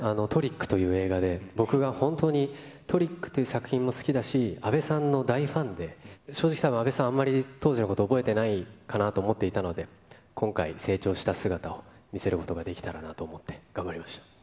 トリックという映画で僕が本当にトリックという作品も好きだし、阿部さんの大ファンで、正直、たぶん阿部さん、当時のこと、覚えてないかなと思っていたので、今回、成長した姿を見せることができたらなと思って、頑張りました。